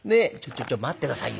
「ちょちょ待って下さいよ。